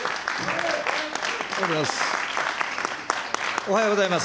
おはようございます。